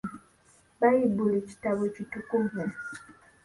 Bbayibuli kitabo kitukuvu.